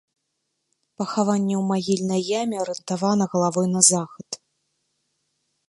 Пахаванне ў магільнай яме, арыентавана галавой на захад.